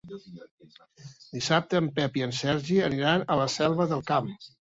Dissabte en Pep i en Sergi aniran a la Selva del Camp.